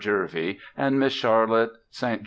Jervey and Miss Charlotte St. J.